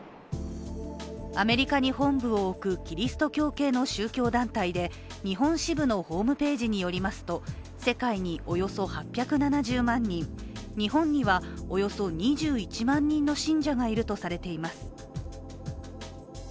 アメリカに本部を置くキリスト教系の宗教団体で日本支部のホームページによりますと世界におよそ８７０万人、日本にはおよそ２１万人の信者がいるとされています。